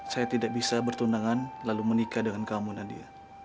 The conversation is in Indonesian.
saya tidak bisa bertundangan lalu menikah dengan kamu nadia